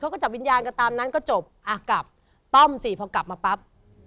ก็จับวิญญาณกันตามนั้นก็จบอ่ะกลับต้อมสิพอกลับมาปั๊บ